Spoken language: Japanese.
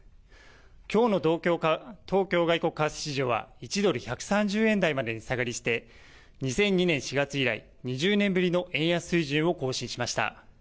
きょうの東京外国為替市場は１ドル１３０円台まで値下がりして２００２年４月以来、２０年ぶりの円安水準を更新しました。